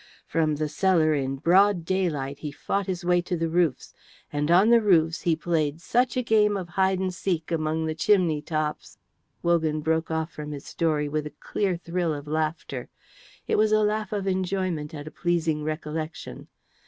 From the cellar in broad daylight he fought his way to the roofs, and on the roofs he played such a game of hide and seek among the chimney tops " Wogan broke off from his story with a clear thrill of laughter; it was a laugh of enjoyment at a pleasing recollection.